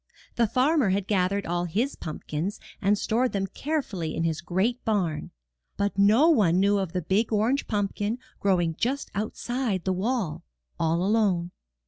The farmer had gathered all his pumpkins and stored them carefully in his great barn. But no one knew of the big orange pumpkin growing just outside the wall, all alone.